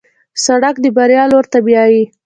سړک د بریا لور ته بیایي.